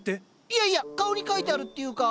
いやいや顔に書いてあるっていうか。